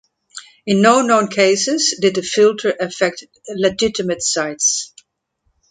In no known cases did the filter affect legitimate sites.